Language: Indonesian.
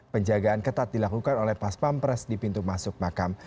penjagaan ketat dilakukan oleh paspampres di pintu masuk makam